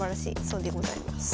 そうでございます。